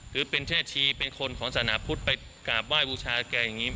หรือเป็นเช่นอาชีพ์เป็นคนของสนาปุทธไปกราบว่ายบูชาแก่อย่างนี้